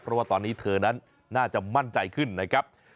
เพราะว่าตอนนี้เธอนั้นน่าจะมั่นใจขึ้นนะครับ